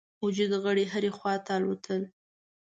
وجود غړي هري خواته الوتل.